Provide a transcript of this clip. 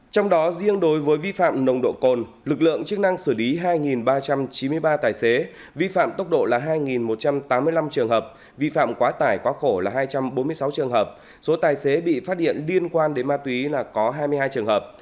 trong đó riêng đối với vi phạm nồng độ cồn lực lượng chức năng xử lý hai ba trăm chín mươi ba tài xế vi phạm tốc độ là hai một trăm tám mươi năm trường hợp vi phạm quá tải quá khổ là hai trăm bốn mươi sáu trường hợp số tài xế bị phát hiện liên quan đến ma túy là có hai mươi hai trường hợp